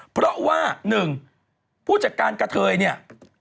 เพราะว่า๑ผู้จัดการกะเทยเนี่ย